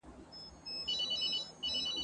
شمع چي لمبه نه سي رڼا نه وي !.